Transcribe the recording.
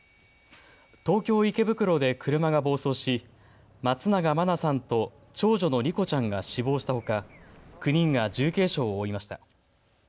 東京池袋で車が暴走し松永真菜さんと、長女の莉子ちゃんが死亡したほか９人が重軽傷を負いました。